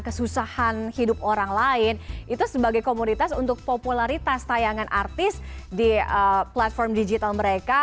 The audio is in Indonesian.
kesusahan hidup orang lain itu sebagai komoditas untuk popularitas tayangan artis di platform digital mereka